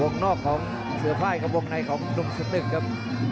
วงก๔๙ของเสือบ้ายกับวงไนของลุงศัตรึงครับ